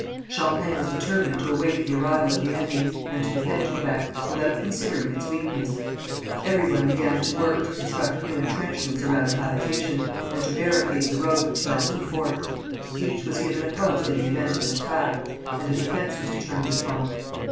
Champlain was determined to await the arrival of the enemy, and to defend Quebec, without considering its weakness. Every one began to work to construct new intrenchments around the habitation, and to barricade the road which led to the fort. Each was given a post in the event of an attack, and a defence was determined upon.